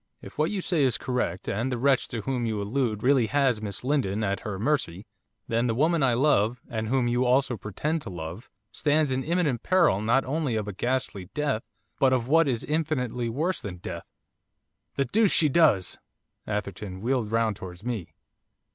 If what you say is correct, and the wretch to whom you allude really has Miss Lindon at her mercy, then the woman I love and whom you also pretend to love! stands in imminent peril not only of a ghastly death, but of what is infinitely worse than death.' 'The deuce she does!' Atherton wheeled round towards me.